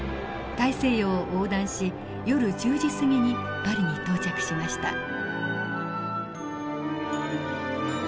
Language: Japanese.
大西洋を横断し夜１０時過ぎにパリに到着しました。